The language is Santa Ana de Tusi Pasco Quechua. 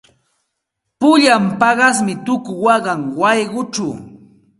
Pulan paqasmi tuku waqan wayquchaw.